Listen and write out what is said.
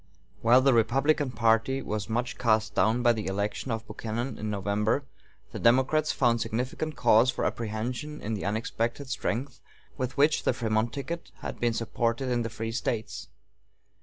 While the Republican party was much cast down by the election of Buchanan in November, the Democrats found significant cause for apprehension in the unexpected strength with which the Frémont ticket had been supported in the free States.